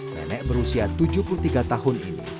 nenek berusia tujuh puluh tiga tahun ini